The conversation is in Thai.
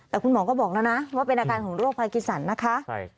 แต่คุณหมอก็บอกแล้วนะว่าเป็นอาการของโรคภัยกีสันนะคะ